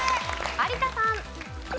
有田さん。